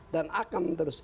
dan akan terus